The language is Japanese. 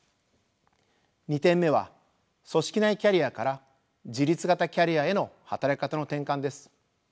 ２点目は組織内キャリアから自律型キャリアへの働き方の転換です。